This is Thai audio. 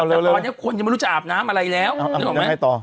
เอาเร็วเร็วแต่ตอนเนี้ยคนยังไม่รู้จะอ่าบน้ำอะไรแล้วอ่ามันยังให้ต่อ